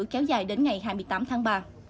kéo dài đến ngày hai mươi tám tháng ba